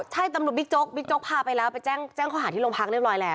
ใช่ตำรวจบิ๊กโจ๊บิ๊กโจ๊กพาไปแล้วไปแจ้งข้อหาที่โรงพักเรียบร้อยแล้ว